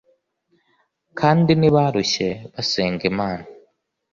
kandi ntibarushye basenga Imana